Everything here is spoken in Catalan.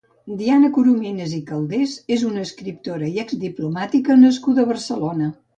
Diana Coromines i Calders és una escriptora i exdiplomàtica nascuda a Barcelona.